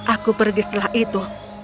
aku pergi setelah itu